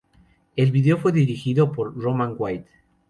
El video fue dirigido por Roman White.